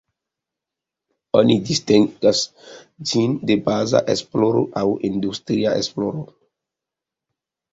Oni distingas ĝin de baza esploro aŭ industria esploro.